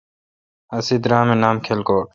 اسے درام اے° نام کلکوٹ۔